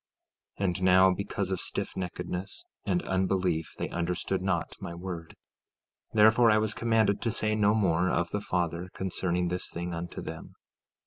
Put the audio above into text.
15:18 And now, because of stiffneckedness and unbelief they understood not my word; therefore I was commanded to say no more of the Father concerning this thing unto them.